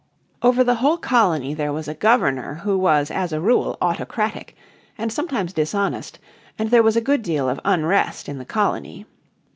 Over the whole colony there was a Governor who was as a rule autocratic and sometimes dishonest, and there was a good deal of unrest in the colony.